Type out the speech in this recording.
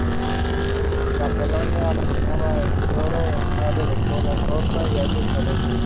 La paloma apuñalada de Mindoro es un ave de cola corta y hábitos terrestres.